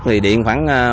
thì điện khoảng